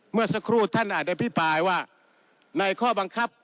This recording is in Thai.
เมื่อสักครู่ท่านอาจอภิปรายว่าในข้อบังคับ